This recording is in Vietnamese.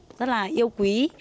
và cô rất là yêu quý